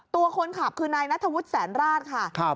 ตัวคนขับคือนายนัทธวุฒิแสนราชค่ะ